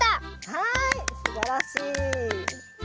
はいすばらしい！